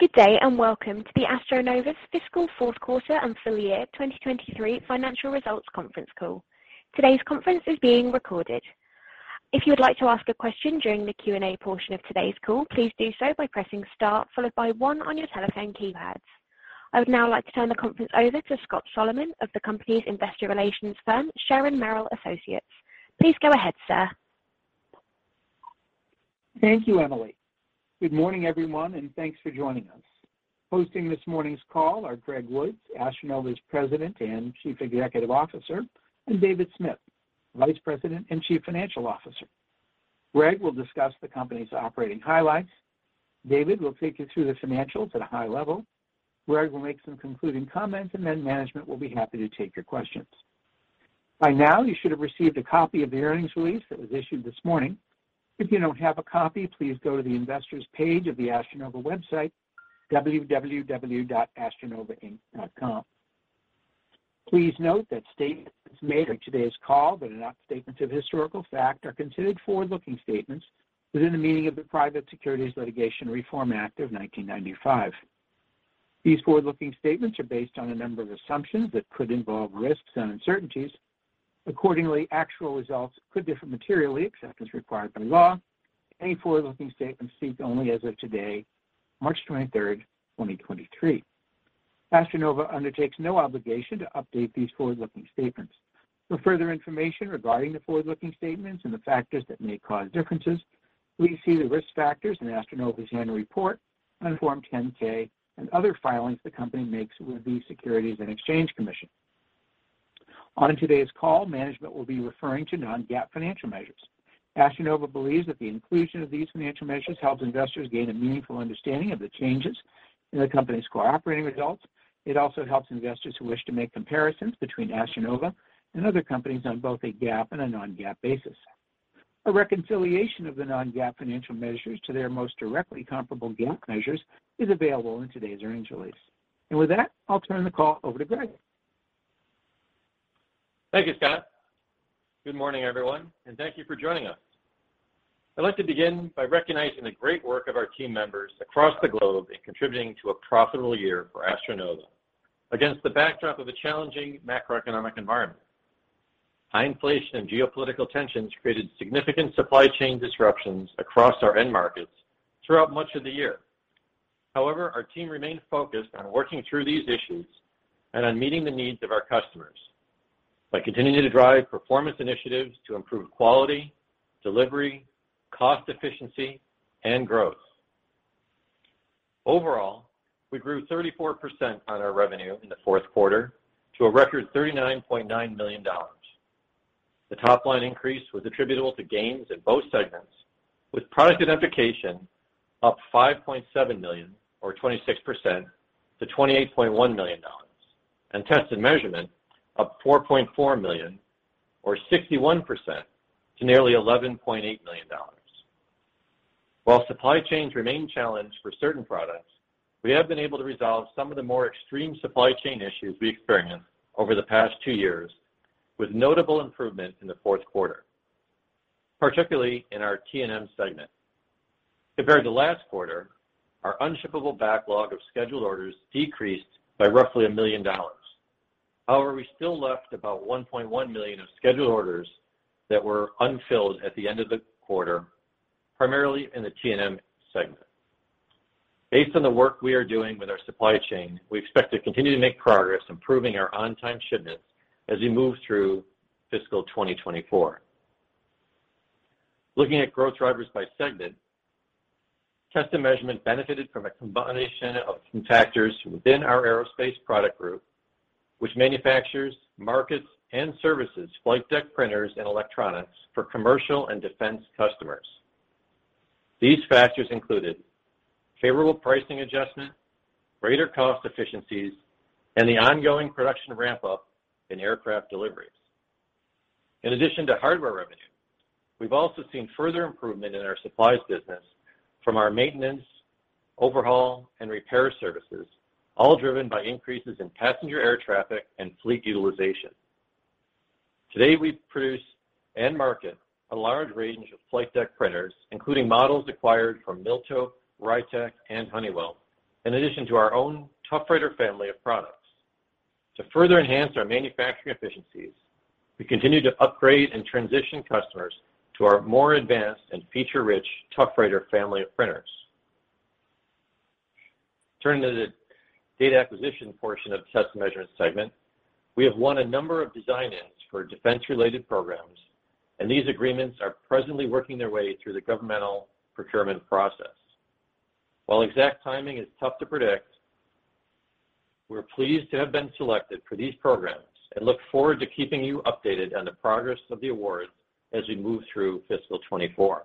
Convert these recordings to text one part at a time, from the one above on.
Good day, welcome to the AstroNova's Fiscal Fourth Quarter and Full Year 2023 Financial Results Conference Call. Today's conference is being recorded. If you would like to ask a question during the q&a portion of today's call, please do so by pressing Start, followed by one on your telephone keypads. I would now like to turn the conference over to Scott Solomon of the company's investor relations firm, Sharon Merrill Associates. Please go ahead, sir. Thank you, Emily. Good morning, everyone, and thanks for joining us. Hosting this morning's call are Greg Woods, AstroNova's President and Chief Executive Officer, and David Smith, Vice President and Chief Financial Officer. Greg will discuss the company's operating highlights. David will take you through the financials at a high level. Greg will make some concluding comments, and then management will be happy to take your questions. By now, you should have received a copy of the earnings release that was issued this morning. If you don't have a copy, please go to the Investors page of the AstroNova website, www.astronovainc.com. Please note that statements made on today's call that are not statements of historical fact are considered forward-looking statements within the meaning of the Private Securities Litigation Reform Act of 1995. These forward-looking statements are based on a number of assumptions that could involve risks and uncertainties. Accordingly, actual results could differ materially, except as required by law. Any forward-looking statements speak only as of today, March 23rd, 2023. AstroNova undertakes no obligation to update these forward-looking statements. For further information regarding the forward-looking statements and the factors that may cause differences, please see the risk factors in AstroNova's annual report on Form 10-K and other filings the company makes with the Securities and Exchange Commission. On today's call, management will be referring to non-GAAP financial measures. AstroNova believes that the inclusion of these financial measures helps investors gain a meaningful understanding of the changes in the company's core operating results. It also helps investors who wish to make comparisons between AstroNova and other companies on both a GAAP and a non-GAAP basis. A reconciliation of the non-GAAP financial measures to their most directly comparable GAAP measures is available in today's earnings release. With that, I'll turn the call over to Greg. Thank you, Scott. Good morning, everyone, and thank you for joining us. I'd like to begin by recognizing the great work of our team members across the globe in contributing to a profitable year for AstroNova against the backdrop of a challenging macroeconomic environment. High inflation and geopolitical tensions created significant supply chain disruptions across our end markets throughout much of the year. Our team remained focused on working through these issues and on meeting the needs of our customers by continuing to drive performance initiatives to improve quality, delivery, cost efficiency, and growth. Overall, we grew 34% on our revenue in the fourth quarter to a record $39.9 million. The top-line increase was attributable to gains in both segments, with Product Identification up $5.7 million or 26% to $28.1 million, and Test and Measurement up $4.4 million or 61% to nearly $11.8 million. While supply chains remain challenged for certain products, we have been able to resolve some of the more extreme supply chain issues we experienced over the past two years with notable improvement in the fourth quarter, particularly in our T&M segment. Compared to last quarter, our unshippable backlog of scheduled orders decreased by roughly $1 million. We still left about $1.1 million of scheduled orders that were unfilled at the end of the quarter, primarily in the T&M segment. Based on the work we are doing with our supply chain, we expect to continue to make progress improving our on-time shipments as we move through fiscal 2024. Looking at growth drivers by segment, Test and Measurement benefited from a combination of factors within our aerospace product group, which manufactures, markets, and services flight deck printers and electronics for commercial and defense customers. These factors included favorable pricing adjustment, greater cost efficiencies, and the ongoing production ramp-up in aircraft deliveries. In addition to hardware revenue, we've also seen further improvement in our supplies business from our maintenance, overhaul, and repair services, all driven by increases in passenger air traffic and fleet utilization. Today, we produce and market a large range of flight deck printers, including models acquired from Miltope, Ritec, and Honeywell, in addition to our own ToughWriter family of products. To further enhance our manufacturing efficiencies, we continue to upgrade and transition customers to our more advanced and feature-rich ToughWriter family of printers. Turning to the data acquisition portion of the test and measurement segment, we have won a number of design-ins for defense-related programs. These agreements are presently working their way through the governmental procurement process. While exact timing is tough to predict, we're pleased to have been selected for these programs and look forward to keeping you updated on the progress of the awards as we move through fiscal 2024.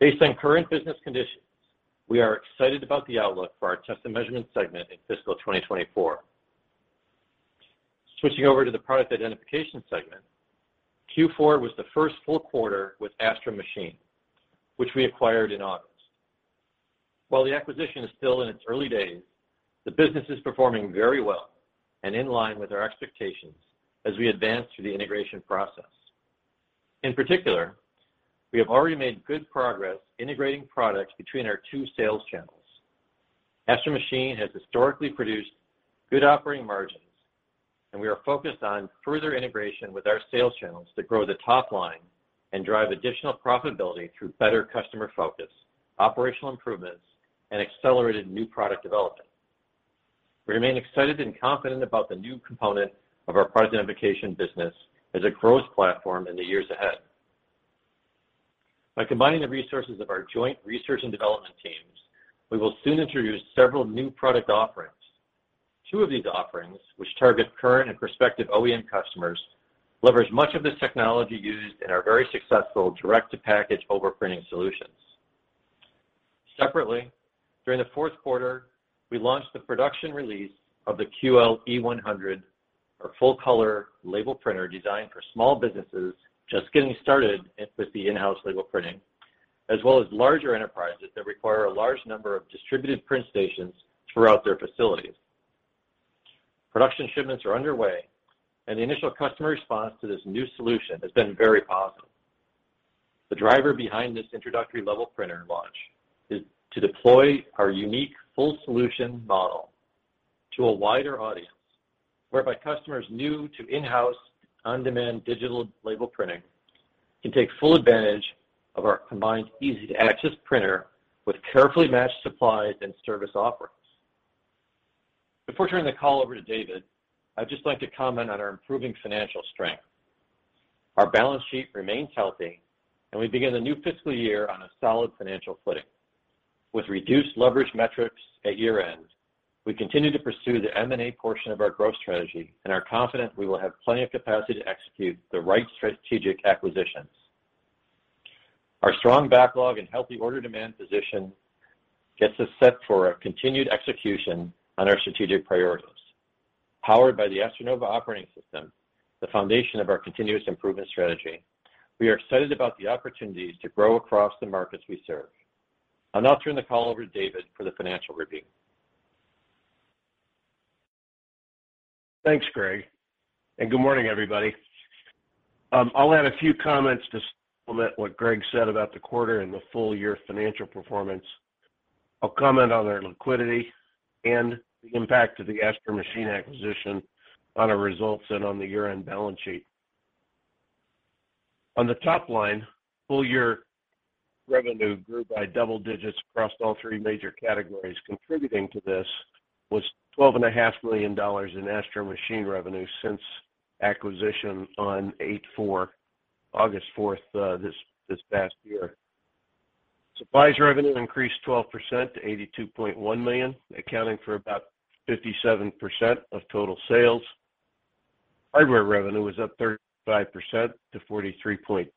Based on current business conditions, we are excited about the outlook for our test and measurement segment in fiscal 2024. Switching over to the Product Identification segment, Q4 was the first full quarter with Astro Machine, which we acquired in August. While the acquisition is still in its early days, the business is performing very well and in line with our expectations as we advance through the integration process. In particular, we have already made good progress integrating products between our two sales channels. Astro Machine has historically produced good operating margins, and we are focused on further integration with our sales channels to grow the top line and drive additional profitability through better customer focus, operational improvements, and accelerated new product development. We remain excited and confident about the new component of our Product Identification business as a growth platform in the years ahead. By combining the resources of our joint research and development teams, we will soon introduce several new product offerings. Two of these offerings, which target current and prospective OEM customers, leverage much of the technology used in our very successful direct to package overprinting solutions. Separately, during the fourth quarter, we launched the production release of the QL-E100, our full color label printer designed for small businesses just getting started with the in-house label printing, as well as larger enterprises that require a large number of distributed print stations throughout their facilities. Production shipments are underway. The initial customer response to this new solution has been very positive. The driver behind this introductory level printer launch is to deploy our unique full solution model to a wider audience, whereby customers new to in-house, on-demand digital label printing can take full advantage of our combined easy-to-access printer with carefully matched supplies and service offerings. Before turning the call over to David, I'd just like to comment on our improving financial strength. Our balance sheet remains healthy. We begin the new fiscal year on a solid financial footing. With reduced leverage metrics at year-end, we continue to pursue the M&A portion of our growth strategy and are confident we will have plenty of capacity to execute the right strategic acquisitions. Our strong backlog and healthy order demand position gets us set for a continued execution on our strategic priorities. Powered by the AstroNova Operating System, the foundation of our continuous improvement strategy, we are excited about the opportunities to grow across the markets we serve. I'll now turn the call over to David for the financial review. Thanks, Greg, good morning, everybody. I'll add a few comments to supplement what Greg said about the quarter and the full year financial performance. I'll comment on our liquidity and the impact of the Astro Machine acquisition on our results and on the year-end balance sheet. On the top line, full year revenue grew by double digits across all three major categories. Contributing to this was $12.5 million in Astro Machine revenue since acquisition on August 4, this past year. Supplies revenue increased 12% to $82.1 million, accounting for about 57% of total sales. Hardware revenue was up 35% to $43.4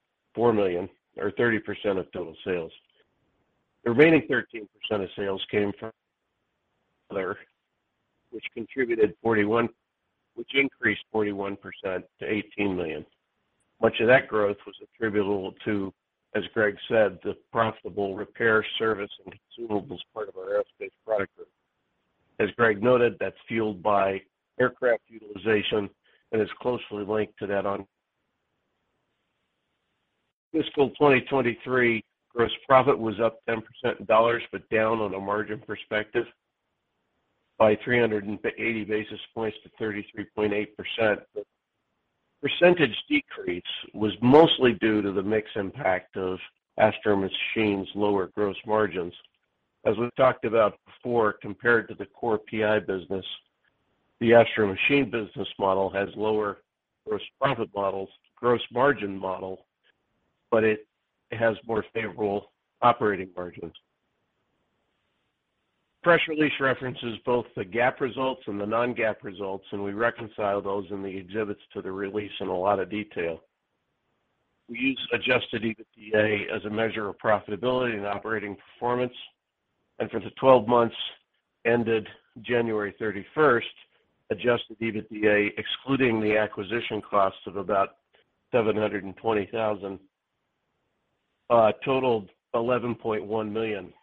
million or 30% of total sales. The remaining 13% of sales came from which increased 41% to $18 million. Much of that growth was attributable to, as Greg said, the profitable repair, service, and consumables part of our aerospace product group. As Greg noted, that's fueled by aircraft utilization and is closely linked to that on. Fiscal 2023 gross profit was up 10% in dollars, but down on a margin perspective by 380 basis points to 33.8%. Percentage decrease was mostly due to the mix impact of Astro Machine's lower gross margins. As we've talked about before, compared to the core PI business, the Astro Machine business model has lower gross profit models, gross margin model, but it has more favorable operating margins. Press release references both the GAAP results and the non-GAAP results, and we reconcile those in the exhibits to the release in a lot of detail. We use Adjusted EBITDA as a measure of profitability and operating performance. For the 12 months ended January 31st, Adjusted EBITDA, excluding the acquisition cost of about $720,000, totaled $11.1 million.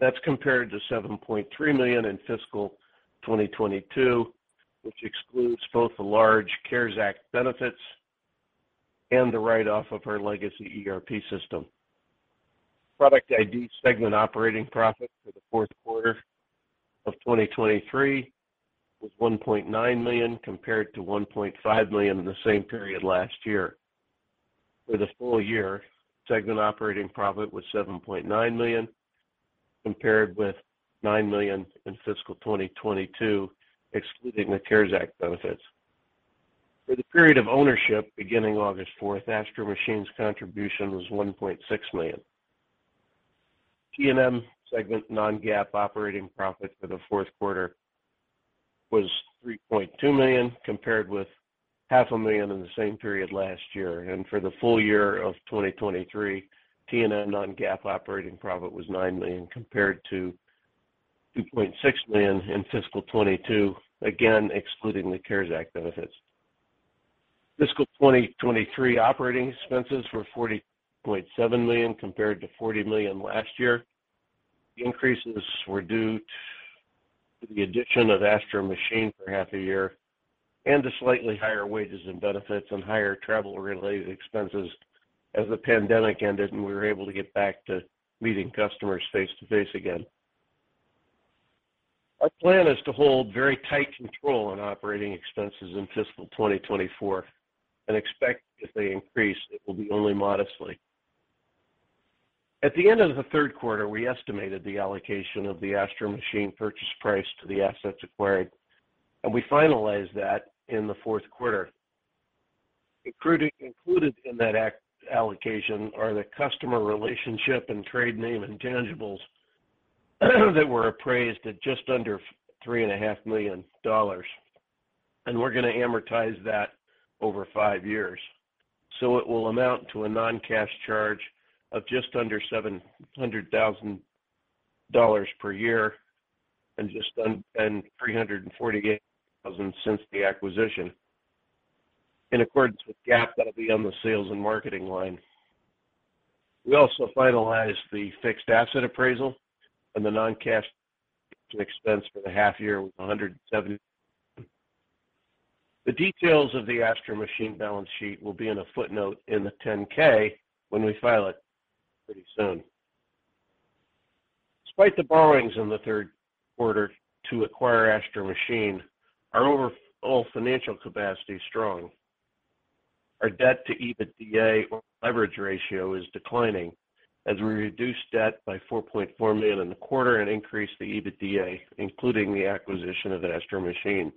That's compared to $7.3 million in fiscal 2022, which excludes both the large CARES Act benefits and the write-off of our legacy ERP system. Product ID segment operating profit for the fourth quarter of 2023 was $1.9 million, compared to $1.5 million in the same period last year. For the full year, segment operating profit was $7.9 million, compared with $9 million in fiscal 2022, excluding the CARES Act benefits. For the period of ownership, beginning August 4th, Astro Machine's contribution was $1.6 million. T&M segment non-GAAP operating profit for the fourth quarter was $3.2 million, compared with half a million in the same period last year. For the full year of 2023, T&M non-GAAP operating profit was $9 million, compared to $2.6 million in fiscal 2022, again, excluding the CARES Act benefits. Fiscal 2023 operating expenses were $40.7 million compared to $40 million last year. The increases were due to the addition of Astro Machine for half a year and to slightly higher wages and benefits and higher travel related expenses as the pandemic ended, and we were able to get back to meeting customers face to face again. Our plan is to hold very tight control on operating expenses in fiscal 2024 and expect if they increase, it will be only modestly. At the end of the third quarter, we estimated the allocation of the Astro Machine purchase price to the assets acquired, and we finalized that in the fourth quarter. Included in that act allocation are the customer relationship and trade name intangibles that were appraised at just under three and a half million dollars. We're gonna amortize that over five years. It will amount to a non-cash charge of just under $700,000 per year and just and $348,000 since the acquisition. In accordance with GAAP, that'll be on the sales and marketing line. We also finalized the fixed asset appraisal and the non-cash expense for the half year with $170. The details of the Astro Machine balance sheet will be in a footnote in the 10-K when we file it pretty soon. Despite the borrowings in the third quarter to acquire Astro Machine, our overall financial capacity is strong. Our Debt to EBITDA or leverage ratio is declining as we reduce debt by $4.4 million in the quarter and increase the EBITDA, including the acquisition of Astro Machine.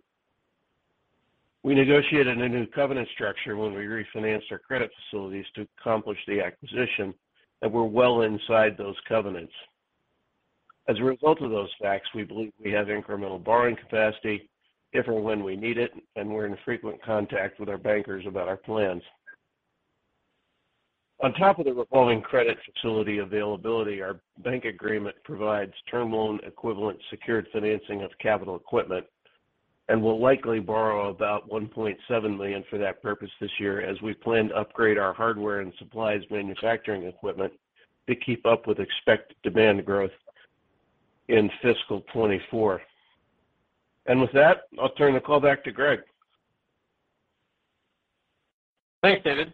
We negotiated a new covenant structure when we refinanced our credit facilities to accomplish the acquisition, and we're well inside those covenants. As a result of those facts, we believe we have incremental borrowing capacity if or when we need it, and we're in frequent contact with our bankers about our plans. On top of the revolving credit facility availability, our bank agreement provides term loan equivalent secured financing of capital equipment. We'll likely borrow about $1.7 million for that purpose this year as we plan to upgrade our hardware and supplies manufacturing equipment to keep up with expected demand growth in fiscal 2024. With that, I'll turn the call back to Greg. Thanks, David.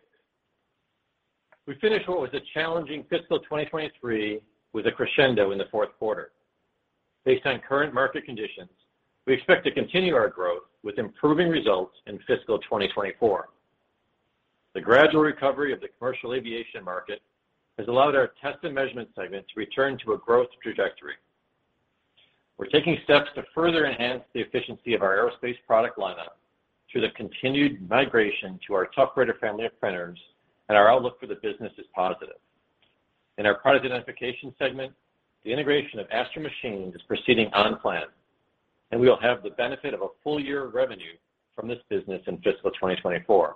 We finished what was a challenging fiscal 2023 with a crescendo in the fourth quarter. Based on current market conditions, we expect to continue our growth with improving results in fiscal 2024. The gradual recovery of the commercial aviation market has allowed our test and measurement segment to return to a growth trajectory. We're taking steps to further enhance the efficiency of our aerospace product lineup through the continued migration to our ToughWriter family of printers. Our outlook for the business is positive. In our product identification segment, the integration of Astro Machine is proceeding on plan. We will have the benefit of a full year of revenue from this business in fiscal 2024.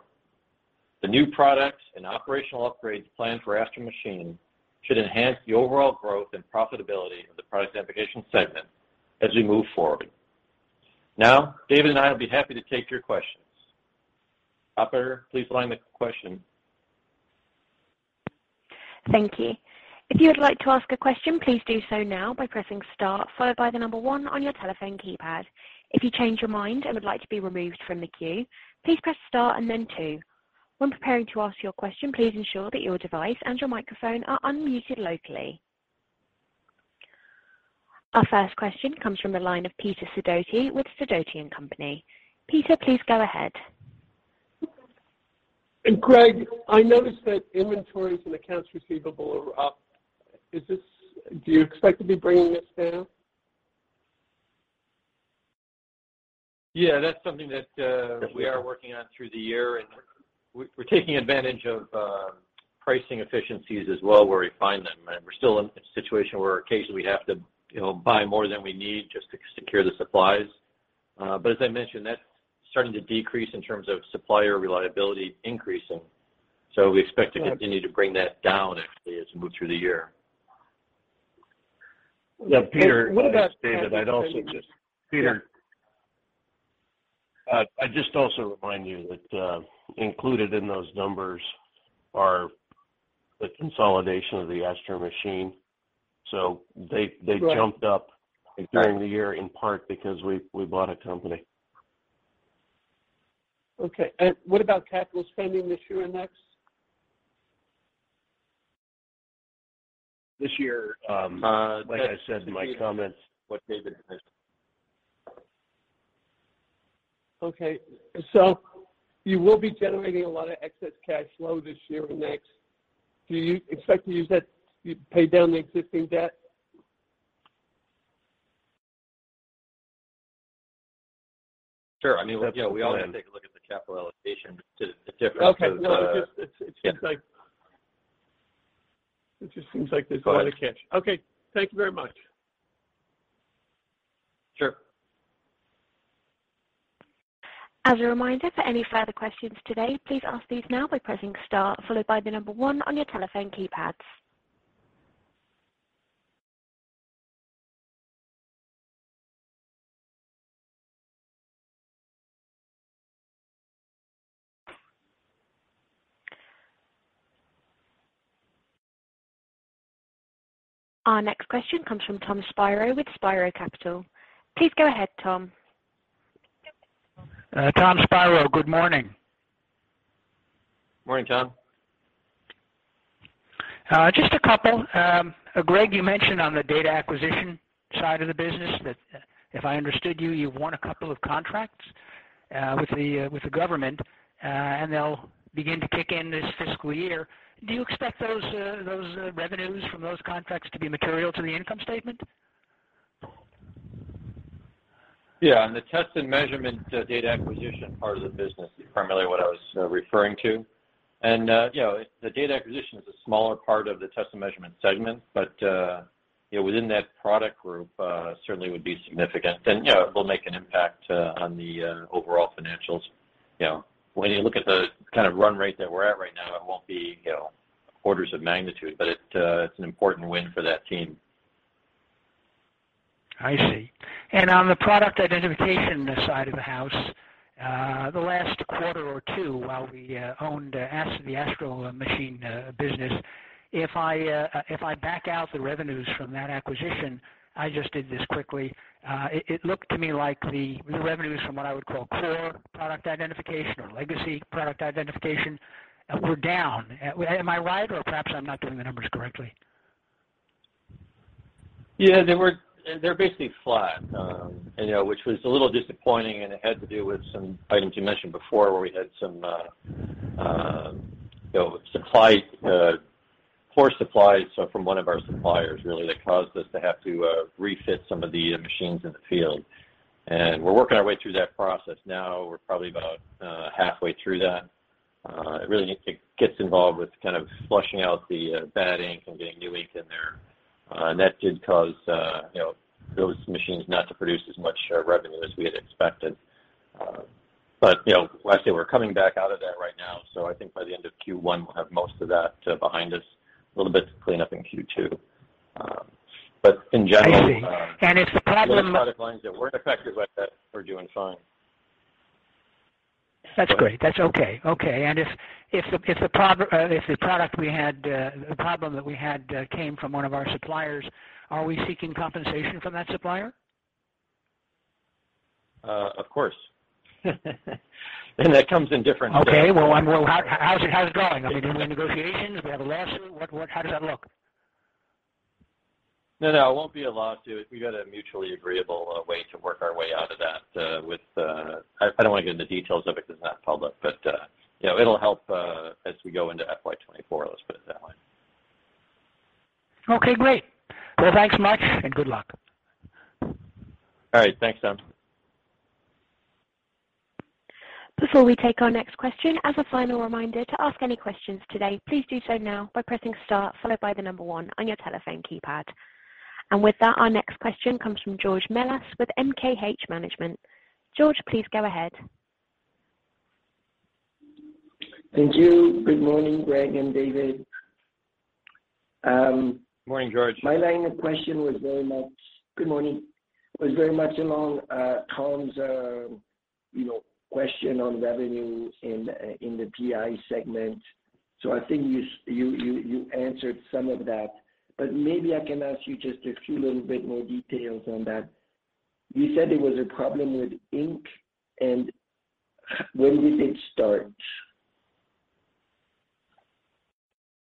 The new products and operational upgrades planned for Astro Machine should enhance the overall growth and profitability of the product identification segment as we move forward. David and I will be happy to take your questions. Operator, please line the question. Thank you. If you would like to ask a question, please do so now by pressing star followed by one on your telephone keypad. If you change your mind and would like to be removed from the queue, please press star and then two. When preparing to ask your question, please ensure that your device and your microphone are unmuted locally. Our first question comes from the line of Peter Sidoti with Sidoti & Company. Peter, please go ahead. Greg, I noticed that inventories and accounts receivable are up. Do you expect to be bringing this down? Yeah, that's something that we are working on through the year, and we're taking advantage of pricing efficiencies as well where we find them. We're still in a situation where occasionally we have to, you know, buy more than we need just to secure the supplies. As I mentioned, that's starting to decrease in terms of supplier reliability increasing. We expect to continue to bring that down actually as we move through the year. Yeah, Peter, this is David said, I'd also. Peter. I'd just also remind you that included in those numbers are the consolidation of the Astro Machine. They jumped up during the year in part because we bought a company. Okay. What about capital spending this year and next? This year, like I said in my comments, what David said. Okay. You will be generating a lot of excess cash flow this year and next. Do you expect to use that to pay down the existing debt? Sure. I mean, look, you know, we all have to take a look at the capital allocation to the differences. Okay. No, it just seems like there's a lot of cash. Okay. Thank you very much. Sure. As a reminder, for any further questions today, please ask these now by pressing star followed by the number one on your telephone keypads. Our next question comes from Tom Spiro with Spiro Capital. Please go ahead, Tom. Tom Spiro. Good morning. Morning, Tom. Just a couple. Greg, you mentioned on the data acquisition side of the business that if I understood you won a couple of contracts with the government. They'll begin to kick in this fiscal year. Do you expect those revenues from those contracts to be material to the income statement? Yeah. On the test and measurement, data acquisition part of the business is primarily what I was referring to. You know, the data acquisition is a smaller part of the test and measurement segment, but, you know, within that product group, certainly would be significant. You know, it will make an impact on the overall financials. You know, when you look at the kind of run rate that we're at right now, it won't be, you know, orders of magnitude, but it's an important win for that team. I see. On the product identification side of the house, the last quarter or two while we owned the Astro Machine business, if I back out the revenues from that acquisition, I just did this quickly, it looked to me like the revenues from what I would call core product identification or legacy product identification were down. Am I right, or perhaps I'm not doing the numbers correctly? Yeah. They're basically flat, you know, which was a little disappointing, and it had to do with some items you mentioned before where we had some, you know, supply, poor supply so from one of our suppliers really that caused us to have to refit some of the machines in the field. We're working our way through that process now. We're probably about halfway through that. It really gets involved with kind of flushing out the bad ink and getting new ink in there. That did cause, you know, those machines not to produce as much revenue as we had expected. But, you know, like I say, we're coming back out of that right now. I think by the end of Q1 we'll have most of that behind us. A little bit to clean up in Q2. in general. I see. if the problem- The other product lines that weren't affected by that are doing fine. That's great. That's okay. Okay. If, if the, if the product we had, the problem that we had, came from one of our suppliers, are we seeking compensation from that supplier? Of course. That comes in different. Okay. Well, how's it going? I mean, are we in negotiations? Do we have a lawsuit? How does that look? No, no, it won't be a lawsuit. We got a mutually agreeable way to work our way out of that with... I don't want to get into details of it 'cause it's not public, but, you know, it'll help as we go into FY 2024, let's put it that way. Okay, great. Well, thanks much, and good luck. All right. Thanks, Tom. Before we take our next question, as a final reminder to ask any questions today, please do so now by pressing star followed by the number one on your telephone keypad. With that, our next question comes from George Melas-Kyriazi with MKH Management. George, please go ahead. Thank you. Good morning, Greg and David. Morning, George. My line of question, Good morning, was very much along Tom's, you know, question on revenue in the PI segment. I think you answered some of that. Maybe I can ask you just a few little bit more details on that. You said there was a problem with ink and when did it start?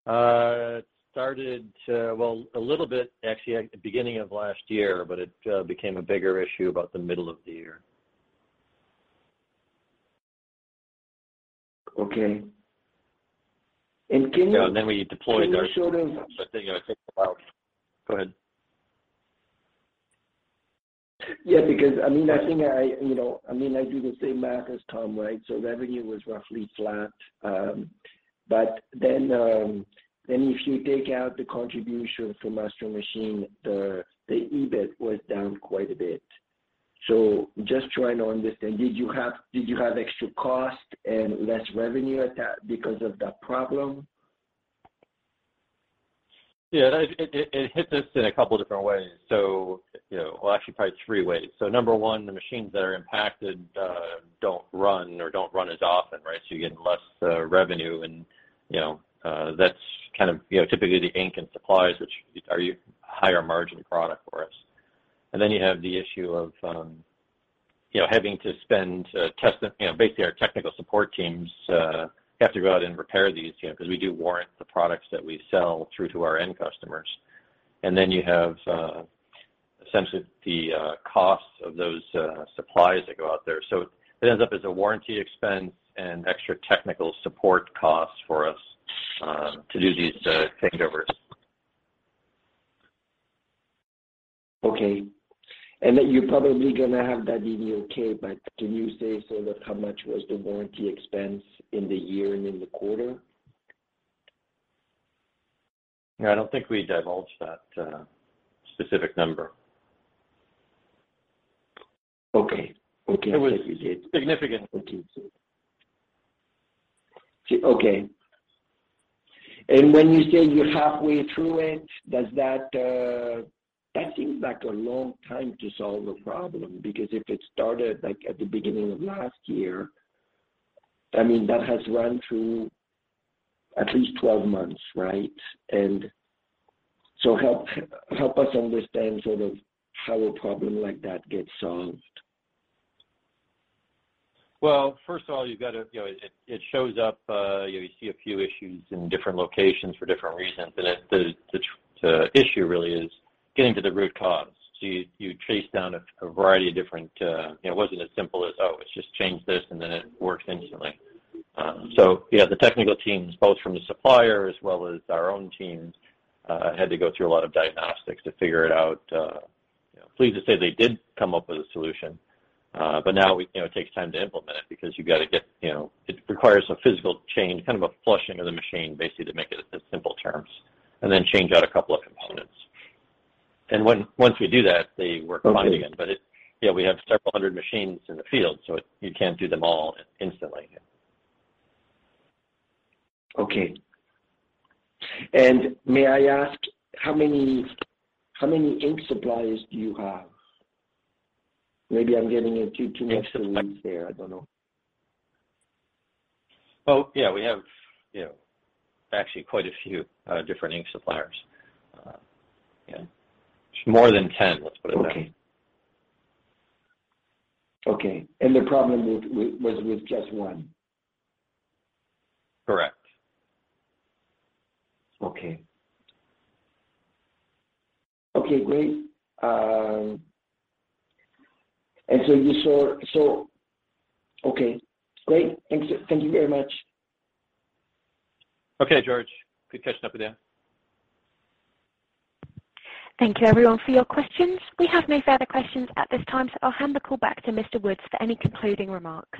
It started, well, a little bit actually at the beginning of last year. It became a bigger issue about the middle of the year. Okay. Yeah. Then we deployed. Can you show? I think it took about... Go ahead. Yeah, because I mean, I think I, you know, I mean, I do the same math as Tom, right? Revenue was roughly flat. Then, then if you take out the contribution from Astro Machine, the EBIT was down quite a bit. Just trying to understand, did you have extra cost and less revenue at that because of that problem? It hit us in a couple different ways. Well, actually probably three ways. Number one, the machines that are impacted don't run or don't run as often, right? You get less revenue and that's kind of typically the ink and supplies, which are higher margin product for us. Then you have the issue of having to spend, basically our technical support teams have to go out and repair these, 'cause we do warrant the products that we sell through to our end customers. Then you have essentially the costs of those supplies that go out there. It ends up as a warranty expense and extra technical support costs for us to do these takeovers. Okay. You're probably gonna have that in the okay, but can you say sort of how much was the warranty expense in the year and in the quarter? Yeah. I don't think we divulge that, specific number. Okay. Okay. It was significant. Okay. When you say you're halfway through it, Does that? Seems like a long time to solve a problem, because if it started, like, at the beginning of last year, I mean, that has run through at least 12 months, right? Help us understand sort of how a problem like that gets solved. Well, first of all, you've got to, you know, it shows up, you know, you see a few issues in different locations for different reasons, and the issue really is getting to the root cause. You, you trace down a variety of different... You know, it wasn't as simple as, oh, it's just change this, and then it works instantly. Yeah, the technical teams, both from the supplier as well as our own teams, had to go through a lot of diagnostics to figure it out. You know, pleased to say they did come up with a solution, but now we, you know, it takes time to implement it because you got to get, you know... It requires a physical change, kind of a flushing of the machine, basically, to make it in simple terms, and then change out a couple of components. Once we do that, they work fine again. Okay. it, yeah, we have several hundred machines in the field, so you can't do them all instantly. Okay. May I ask, how many ink suppliers do you have? Maybe I'm getting into too much detail there. I don't know. Well, yeah, we have, you know, actually quite a few different ink suppliers. Yeah. More than 10, let's put it that way. Okay. Okay. The problem was with just one? Correct. Okay. Okay, great. okay. Great. Thanks. Thank you very much. Okay, George. Good catching up with you. Thank you everyone for your questions. We have no further questions at this time. I'll hand the call back to Mr. Woods for any concluding remarks.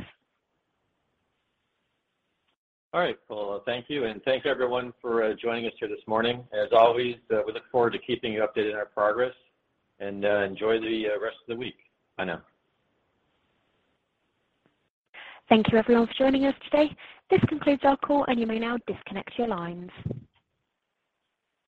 All right. Well, thank you, and thank you everyone for joining us here this morning. As always, we look forward to keeping you updated on our progress. Enjoy the rest of the week. Bye now. Thank you everyone for joining us today. This concludes our call, and you may now disconnect your lines.